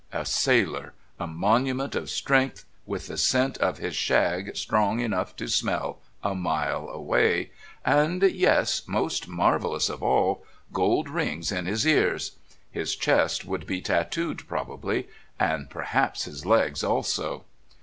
A sailor, a monument of strength, with the scent of his "shag" strong enough to smell a mile away, and yes, most marvellous of all, gold rings in his ears! His chest would be tatooed probably, and perhaps his legs also!